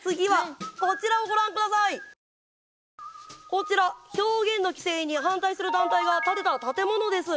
こちら表現の規制に反対する団体が建てた建物です。